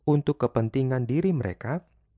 untuk kepentingan diri mereka